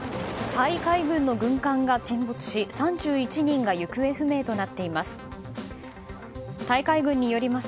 タイ海軍の軍艦が沈没し３１人が行方不明となっています。